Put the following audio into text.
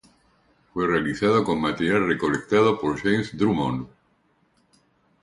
Fue realizado con material recolectado por James Drummond.